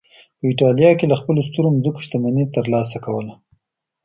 په اېټالیا کې له خپلو سترو ځمکو شتمني ترلاسه کوله